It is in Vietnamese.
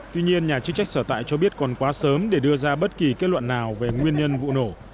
tuy nhiên nhà chức trách sở tại cho biết còn quá sớm để đưa ra bất kỳ kết luận nào về nguyên nhân vụ nổ